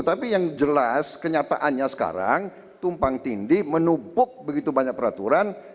tapi yang jelas kenyataannya sekarang tumpang tindih menumpuk begitu banyak peraturan